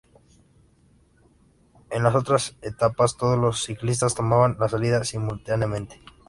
En las otras etapas todos los ciclistas tomaban la salida simultáneamente.